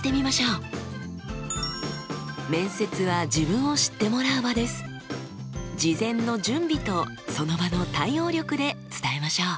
事前の準備とその場の対応力で伝えましょう。